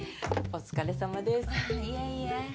お疲れさまです。